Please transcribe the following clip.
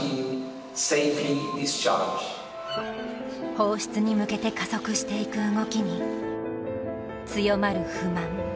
放出に向けて加速していく動きに強まる不満。